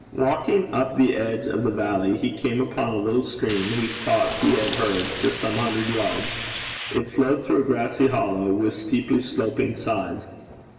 Walking up the edge of the valley, he came upon a little stream whose talk he had heard for some hundred yards. It flowed through a grassy hollow, with steeply sloping sides.